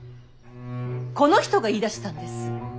この人が言いだしたんです。